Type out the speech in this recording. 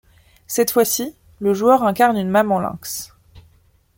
Cette fois-ci, le joueur incarne une maman lynx.